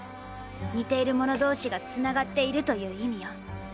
似ているもの同士がつながっているという意味よ。